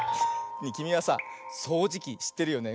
きみはさそうじきしってるよね？